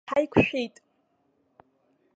Ҳаиқәшәеит!